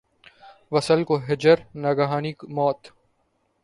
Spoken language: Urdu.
وصل کو ہجر ، ناگہانی موت